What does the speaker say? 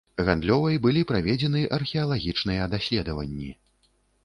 Гандлёвай былі праведзены археалагічныя даследаванні.